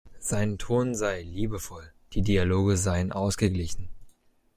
Sein Ton sei „liebevoll“, die Dialoge seien „ausgeglichen“.